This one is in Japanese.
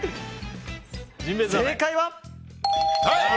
正解は。